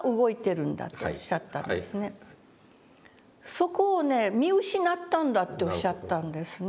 「そこをね見失ったんだ」っておっしゃったんですね